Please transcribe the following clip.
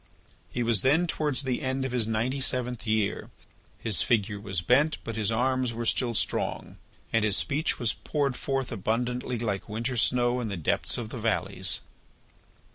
He was then towards the end of his ninety seventh year; his figure was bent, but his arms were still strong, and his speech was poured forth abundantly like winter snow in the depths of the valleys.